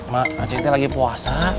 mak aceh kita lagi puasa